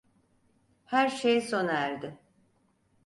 Her şey sona erdi.